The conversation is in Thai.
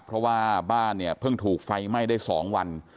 เพราะว่าบ้านเนี่ยเพิ่งถูกไฟไหม้ได้๒วัน